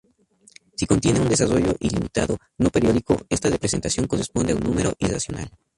Si contiene un desarrollo ilimitado no periódico, esta representación corresponde a un número irracional.